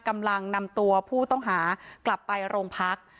กำลังนำตัวผู้ต้องหากลับไปโรงพัก